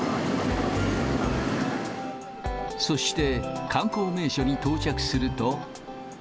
そして、観光名所に到着すると。